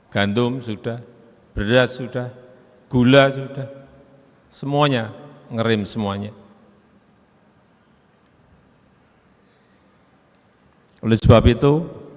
gantung sudah beras sudah gula sudah semuanya ngerim semuanya enza kquela dari sebab itu